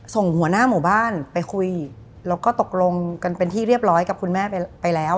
ส่งหัวหน้าหมู่บ้านไปคุยแล้วก็ตกลงกันเป็นที่เรียบร้อยกับคุณแม่ไปแล้ว